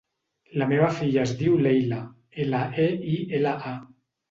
La meva filla es diu Leila: ela, e, i, ela, a.